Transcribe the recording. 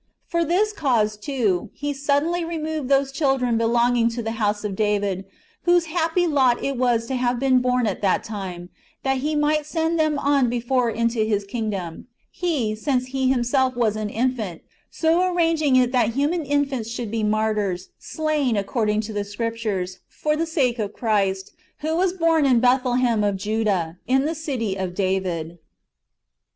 ^ For this cause, too, He suddenly removed those children belonging to the house of David, whose happy lot it was to have been born at that time, that He might send them on before into His kingdom ; He, since He was Himself an infant, so arranging it that human infants should be martyrs, slain, according to the Scriptures, for the sake of Christ, who was born in Beth lehem of Judah, in the city of David.